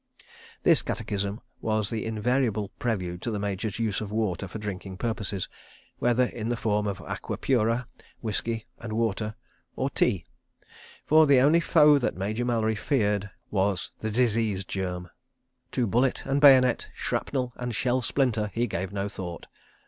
This catechism was the invariable prelude to the Major's use of water for drinking purposes, whether in the form of aqua pura, whisky and water, or tea. For the only foe that Major Mallery feared was the disease germ. To bullet and bayonet, shrapnel and shell splinter, he gave no thought.